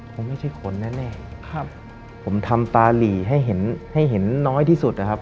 ผมไม่ใช่คนแน่ผมทำตาหลีให้เห็นให้เห็นน้อยที่สุดนะครับ